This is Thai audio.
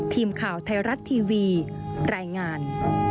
ทีมข่าวไทยรัฐทีวีรายงาน